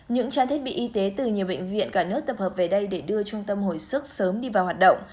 những trang thiết bị y tế từ nhiều bệnh viện cả nước tập hợp về đây để đưa trung tâm hồi sức sớm đi vào hoạt động